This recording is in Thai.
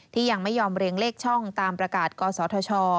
ยังไม่ยอมเรียงเลขช่องตามประกาศกศธช